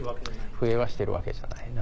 笛はしてるわけじゃないな